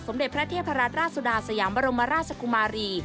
เด็จพระเทพรัตราชสุดาสยามบรมราชกุมารี